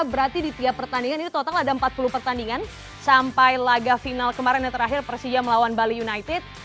berarti di tiap pertandingan ini total ada empat puluh pertandingan sampai laga final kemarin yang terakhir persija melawan bali united